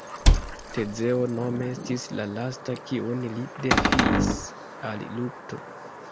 Tezeo nome estis la lasta kiun li defiis al lukto.